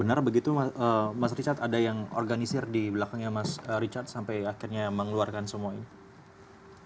benar begitu mas richard ada yang organisir di belakangnya mas richard sampai akhirnya mengeluarkan semua ini